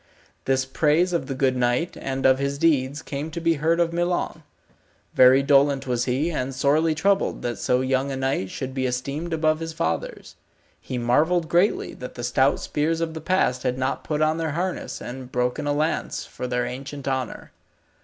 This praise of the good knight, and of his deeds, came to be heard of Milon. Very dolent was he and sorely troubled that so young a knight should be esteemed above his fathers. He marvelled greatly that the stout spears of the past had not put on their harness and broken a lance for their ancient honour.